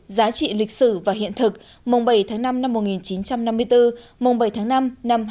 giá trị lịch sử và hiện thực mùng bảy tháng năm năm một nghìn chín trăm năm mươi bốn mùng bảy tháng năm năm hai nghìn hai mươi bốn